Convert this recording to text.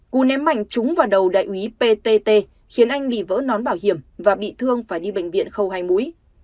cú ném mạnh trúng vào đầu đại úy ptt khiến anh bị vỡ nón bảo hiểm và bị thương phải đi bệnh viện khâu hai mũi